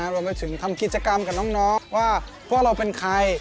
และว่าเพราะเราเป็นใคร